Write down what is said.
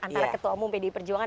antara ketua umum pdi perjuangan